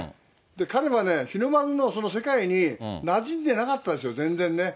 彼は日の丸の世界になじんでなかったんですよ、全然ね。